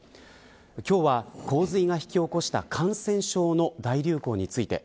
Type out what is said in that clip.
今日は洪水が引き起こした感染症の大流行について。